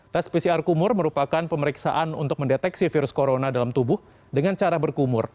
tes pcr kumur merupakan pemeriksaan untuk mendeteksi virus corona dalam tubuh dengan cara berkumur